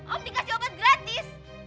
om dikasih obat gratis